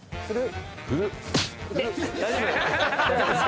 大丈夫です。